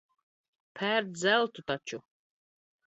Pērc zeltu taču.